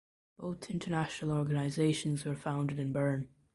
Both international organizations were founded in Bern.